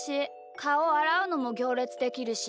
かおあらうのもぎょうれつできるし。